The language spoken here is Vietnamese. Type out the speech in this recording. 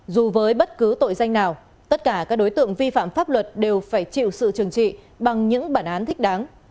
dù với bất cứ tội danh nào tất cả các đối tượng vi phạm pháp luật đều phải chịu sự trừng trị bằng những bản án thích đáng